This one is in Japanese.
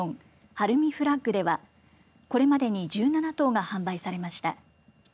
晴海フラッグではこれまでに１７棟が販売されました。